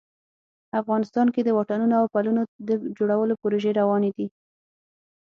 افغانستان کې د واټونو او پلونو د جوړولو پروژې روانې دي